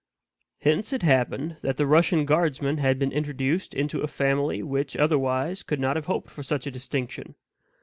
Hence it had happened that the Russian guardsman had been introduced into many a family which otherwise could not have hoped for such a distinction.